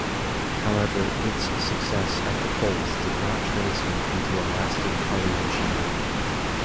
However, its success at the polls did not translate into a lasting party machinery.